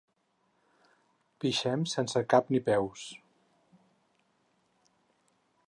Pixem sense cap ni peus.